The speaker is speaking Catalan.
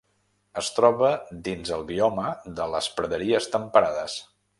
Es troba dins el bioma de les praderies temperades.